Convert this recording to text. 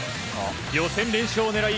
予選連勝を狙い